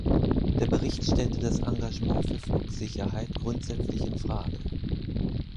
Der Bericht stellte das Engagement für Flugsicherheit grundsätzlich in Frage.